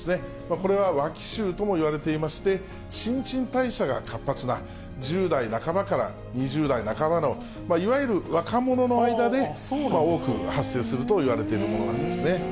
これはわき臭ともいわれていまして、新陳代謝が活発な、１０代半ばから２０代半ばの、いわゆる若者の層で多く発生するといわれているものなんですね。